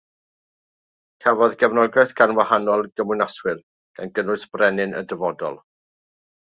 Cafodd gefnogaeth gan wahanol gymwynaswyr, gan gynnwys Brenin y dyfodol.